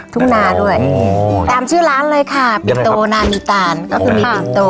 ตามชื่อร้านเลยค่ะปิ่นโตนามีตาลก็คือมีปิ่นโต